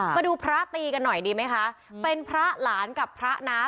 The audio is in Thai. มาดูพระตีกันหน่อยดีไหมคะเป็นพระหลานกับพระนะ